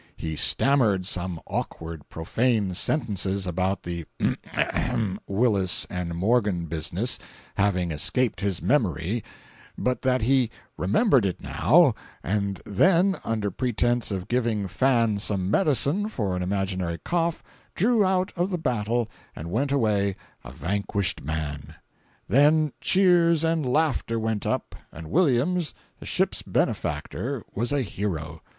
He stammered some awkward, profane sentences about the— —— —Willis and Morgan business having escaped his memory, but that he "remembered it now," and then, under pretence of giving Fan some medicine for an imaginary cough, drew out of the battle and went away, a vanquished man. Then cheers and laughter went up, and Williams, the ship's benefactor was a hero.